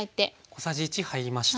小さじ１入りました。